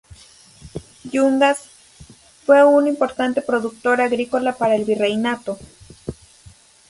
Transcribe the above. Yungas fue un importante productor agrícola para el Virreinato.